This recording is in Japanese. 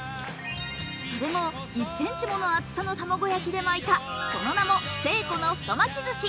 それも１ｃｍもの厚さの卵焼きで巻いた、せいこの太巻き寿し。